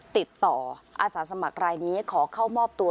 ติดต่ออาสาสมัครรายนี้ขอเข้ามอบตัว